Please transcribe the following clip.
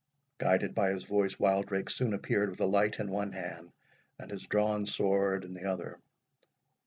Guided by his voice, Wildrake soon appeared, with a light in one hand, and his drawn sword in the other.